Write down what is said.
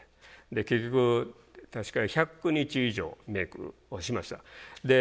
結局確か１００日以上メイクをしました。